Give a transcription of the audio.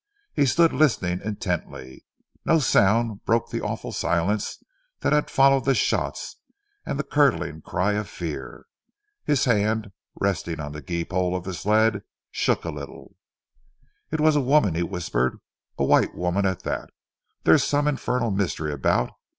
He stood listening intently. No sound broke the awful silence that had followed the shots and the curdling cry of fear. His hand, resting on the gee pole of the sled, shook a little. "It was a woman," he whispered, "a white woman, at that. There's some infernal mystery about.